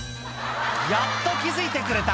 やっと気付いてくれた！